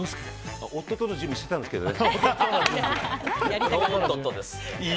おっとっとの準備してたんですけどね。